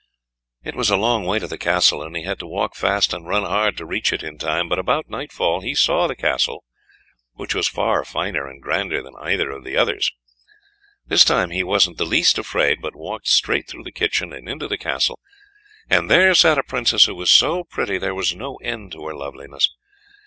It was a long way to the Castle, and he had to walk fast and run hard to reach it in time; but about nightfall he saw the Castle, which was far finer and grander than either of the others. This time he wasn't the least afraid, but walked straight through the kitchen, and into the Castle. There sat a Princess who was so pretty, there was no end to her loveliness.